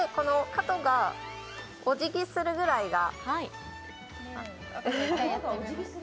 角がお辞儀するくらいが。